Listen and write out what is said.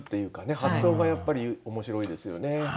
発想がやっぱり面白いですよね。